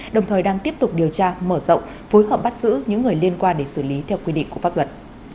đồng thời đang tiếp tục điều tra mở rộng phối hợp bắt giữ những người liên quan để xử lý theo quy định của pháp luật